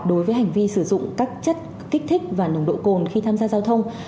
đối với hành vi sử dụng các chất kích thích và nồng độ cồn khi tham gia giao thông